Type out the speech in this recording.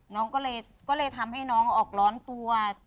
น้องก็เลยทำให้น้องออกร้อนตัว